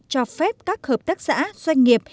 cho phép các hợp tác xã doanh nghiệp